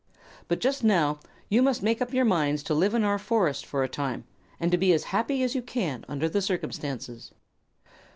But just now you must make up your minds to live in our forest for a time, and to be as happy as you can under the circumstances."